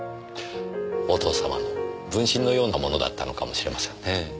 お父様の分身のようなものだったのかもしれませんね。